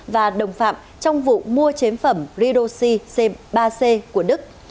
và đồng phạm trong vụ mua chế phẩm ridosi c ba c của đức